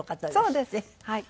そうですはい。